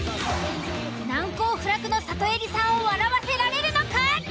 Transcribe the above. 難攻不落のサトエリさんを笑わせられるのか！？